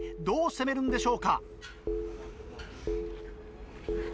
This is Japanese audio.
どう攻めるんでしょうか？